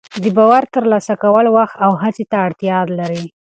د باور ترلاسه کول وخت او هڅې ته اړتیا لري.